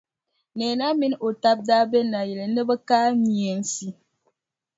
Neena mini o taba be Naayili ni bɛ kaai meensi.